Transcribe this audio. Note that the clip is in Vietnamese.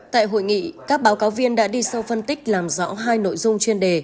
tại hội nghị các báo cáo viên đã đi sâu phân tích làm rõ hai nội dung chuyên đề